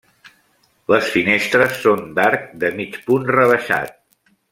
Les finestres són d'arc de mig punt rebaixat.